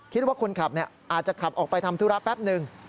คิดว่าคนขับอาจจะขับออกไปทำธุระแป๊บนึง